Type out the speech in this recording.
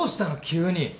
急に。